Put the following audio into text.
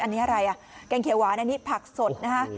อันนี้อะไรอ่ะแกงเขียวหวานอันนี้ผักสดนะฮะ